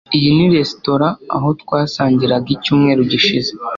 iyi ni resitora aho twasangiraga icyumweru gishize